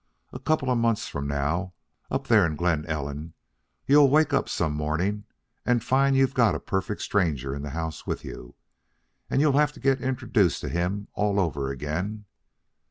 A couple of months from now, up there in Glen Ellen, you'll wake up some morning and find you've got a perfect stranger in the house with you, and you'll have to get introduced to him all over again.